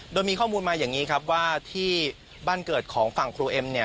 โดยมีข้อมูลมาอย่างนี้ครับว่าที่บ้านเกิดของฝั่งครูเอ็มเนี่ย